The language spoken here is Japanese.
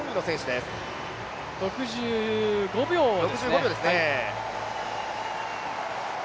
６５秒ですね。